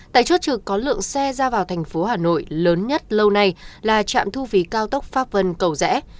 tại chốt trực có lượng xe ra vào thành phố hà nội lớn nhất lâu nay là trạm thu phí cao tốc pháp vân cầu rẽ